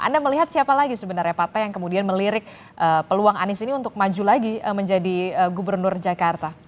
anda melihat siapa lagi sebenarnya partai yang kemudian melirik peluang anies ini untuk maju lagi menjadi gubernur jakarta